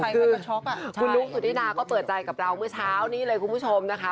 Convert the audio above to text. คุณนุ๊กสุธินาก็เปิดใจกับเราเมื่อเช้านี้เลยคุณผู้ชมนะคะ